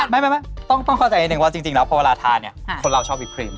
ไม่ต้องเข้าใจนิดนึงว่าจริงแล้วพอเวลาทานเนี่ยคนเราชอบวิปครีม